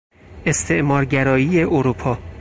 استعمارگرایی اروپا